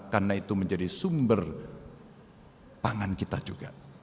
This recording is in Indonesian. karena itu menjadi sumber pangan kita juga